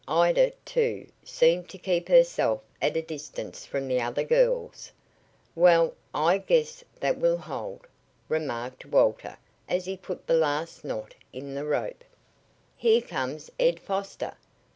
Ida, too, seemed to keep herself at a distance from the other girls. "Well, I guess that will hold," remarked Walter as he put the last knot in the rope. "Here comes Ed Foster!"